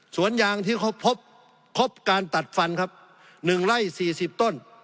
สวนยางที่เขาพบครบการตัดฟันครับหนึ่งไร่สี่สิบต้น